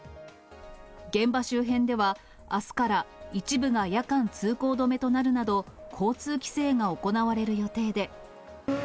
現場周辺では、あすから一部が夜間通行止めとなるなど、交通規制が行われる予定で。